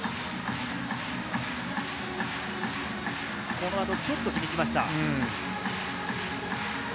このあと、ちょっと気にしました。